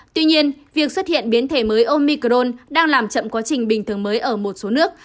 tuy nhiên việc xuất hiện biến thể mới omicrone đang làm chậm quá trình bình thường mới ở một số nước